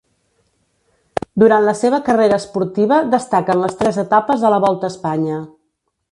Durant la seva carrera esportiva destaquen les tres etapes a la Volta a Espanya.